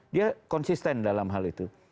dia konsisten dalam hal itu